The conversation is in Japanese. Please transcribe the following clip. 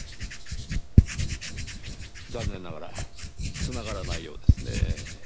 残念ながら繋がらないようですねぇ。